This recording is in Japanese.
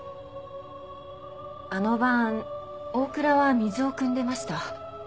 あの晩大倉は水をくんでました。